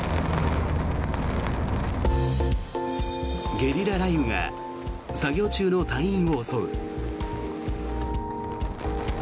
ゲリラ雷雨が作業中の隊員を襲う。